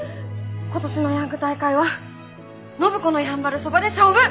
今年のヤング大会は暢子のやんばるそばで勝負！